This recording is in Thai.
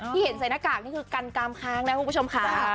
เห็นใส่หน้ากากนี่คือกันกามค้างแล้วคุณผู้ชมค่ะ